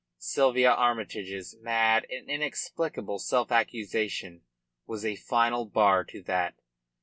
Sylvia Armytage's mad and inexplicable self accusation was a final bar to that.